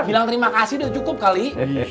bilang terima kasih sudah cukup kali